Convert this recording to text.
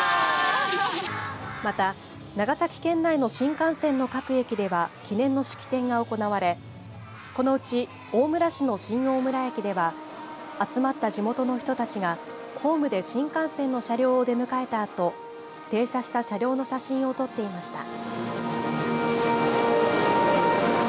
また、長崎県内の新幹線の各駅では記念の式典が行われこのうち大村市の新大村駅では集まった地元の人たちがホームで新幹線の車両で迎えたあと停車した車両の写真を撮っていました。